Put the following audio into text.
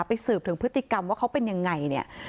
สืบถึงพฤติกรรมว่าเขาเป็นยังไงเนี่ย